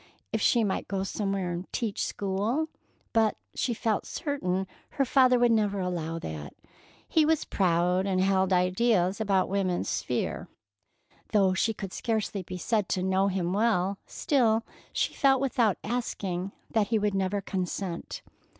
If she might go somewhere and "teach school,"—but she felt certain her father would never allow that. He was proud and held ideas about woman's sphere. Though she could scarcely be said to know him well, still she felt without asking that he would never consent.